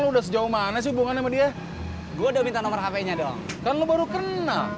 udah sejauh mana sih hubungan sama dia gue udah minta nomor hp nya dong kan lo baru kenal